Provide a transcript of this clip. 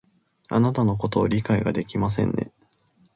あなたのことを理解ができませんね